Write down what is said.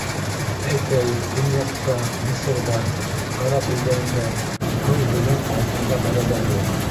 Әйтәйек, көньяҡта — Мысырҙа, ғәрәп илдәрендә — һыу гелән алтынға бәрәбәр булған.